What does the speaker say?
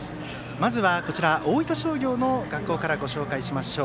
まずは大分商業の学校から紹介しましょう。